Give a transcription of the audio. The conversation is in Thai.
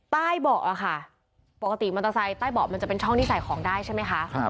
มันตัวแปะใต้เบาะมันจะเป็นช่องที่ใส่ของได้ใช่ไหมคะ